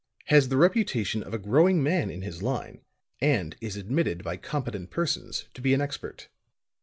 Has the reputation of a growing man in his line and is admitted by competent persons to be an expert.